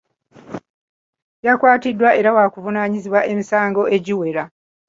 Yakwatiddwa era waakuvunaanibwa emisango egiwera.